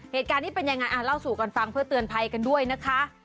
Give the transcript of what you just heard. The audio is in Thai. เหตุการณ์นี้เป็นยังไงเล่าสู่กันฟังเพื่อเตือนภัยกันด้วยนะคะ